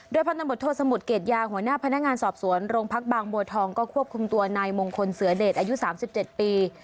พันธบทโทสมุทรเกรดยางหัวหน้าพนักงานสอบสวนโรงพักบางบัวทองก็ควบคุมตัวนายมงคลเสือเดชอายุ๓๗ปี